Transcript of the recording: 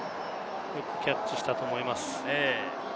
キャッチしたと思いますね。